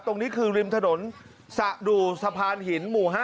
ตรงนี้คือริมถนนสะดุสะพานหินหมู่๕